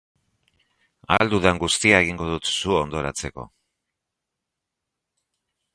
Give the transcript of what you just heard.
Ahal dudan guztia egingo dut zu hondoratzeko!